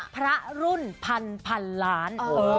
พระรุ่นพันล้าน